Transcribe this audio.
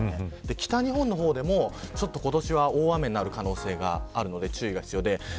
北日本の方でも今年は大雨になる可能性があるので注意が必要です。